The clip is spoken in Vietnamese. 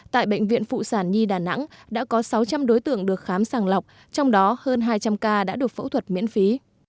tại bệnh viện phụ sản nhi đà nẵng đã có sáu trăm linh đối tượng được khám sàng lọc trong đó hơn hai trăm linh ca đã được phẫu thuật miễn phí